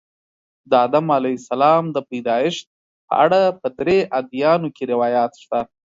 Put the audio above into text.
د آدم علیه السلام د پیدایښت په اړه په درې ادیانو کې روایات شته.